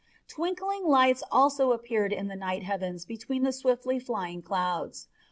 Twinkling lights also appeared in the night heavens between the swiftly flying clouds.